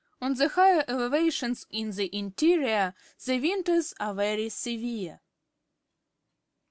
On the higher elevations in the interior the winters are very severe.